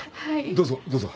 どうぞどうぞ。